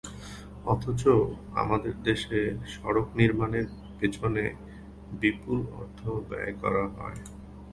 অথচ আমাদের দেশে সড়ক নির্মাণের পেছনে বিপুল অর্থ ব্যয় করা হয়।